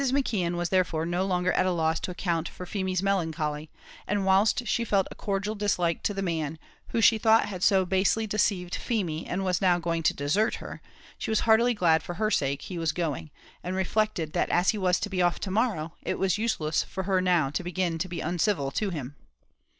McKeon was therefore no longer at a loss to account for Feemy's melancholy; and whilst she felt a cordial dislike to the man, who she thought had so basely deceived Feemy and was now going to desert her, she was heartily glad for her sake he was going, and reflected that as he was to be off to morrow, it was useless for her now to begin to be uncivil to him.